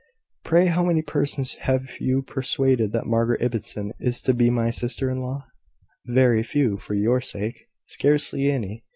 "Pray how many persons have you persuaded that Margaret Ibbotson is to be my sister in law?" "Very few; for your sake, scarcely any.